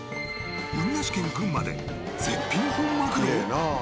海なし県群馬で絶品本マグロ！？